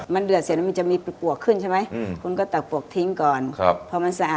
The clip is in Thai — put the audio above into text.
มันเดือดเสร็จจะมีปลูกขึ้นใช่ไหม